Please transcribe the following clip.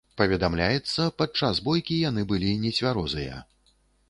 Паведамляецца, падчас бойкі яны былі нецвярозыя.